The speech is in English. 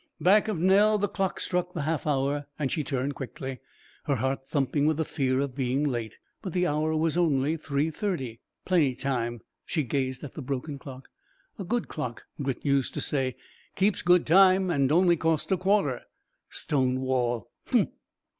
Back of Nell the clock struck the half hour, and she turned quickly, her heart thumping with the fear of being late. But the hour was only three thirty. "Plenty time." She gazed at the broken clock. "A good clock," Grit used to say; "keeps time and only cost a quarter." "Stone wall!...